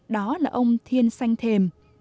đó là ông thiên xanh thềm